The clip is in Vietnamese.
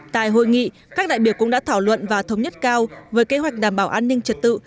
tại hội nghị các đại biểu cũng đã thảo luận và thống nhất cao với kế hoạch đảm bảo an ninh trật tự